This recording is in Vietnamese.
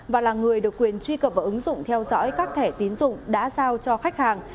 và là người được quyền truy cập vào ứng dụng theo dõi các thẻ tín dụng đã giao cho khách hàng